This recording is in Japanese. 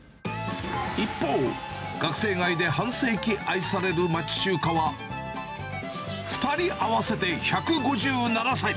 一方、学生街で半世紀愛される町中華は、２人合わせて１５７歳。